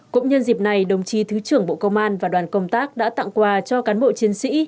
cũng nhân dịp này đồng chí thứ trưởng bộ công an và đoàn công tác đã tặng quà cho cán bộ chiến sĩ